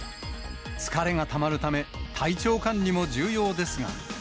疲れがたまるため、体調管理も重要ですが。